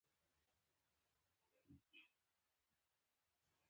د اوبو مناسب لګول د محصول کیفیت لوړوي او د اوبو ضایعات کموي.